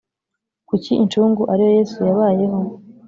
Kuki incungu ari yo yesu yabayeho